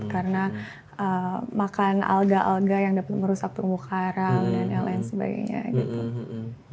karena makan alga alga yang dapat merusak tumbuh karam dan lain lain sebagainya gitu